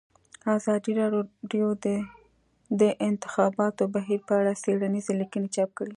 ازادي راډیو د د انتخاباتو بهیر په اړه څېړنیزې لیکنې چاپ کړي.